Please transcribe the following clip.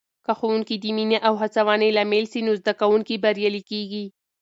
که ښوونکې د مینې او هڅونې لامل سي، نو زده کوونکي بریالي کېږي.